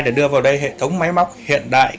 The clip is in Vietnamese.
để đưa vào đây hệ thống máy móc hiện đại